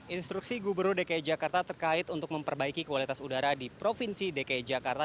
instruksi gubernur dki jakarta terkait untuk memperbaiki kualitas udara di provinsi dki jakarta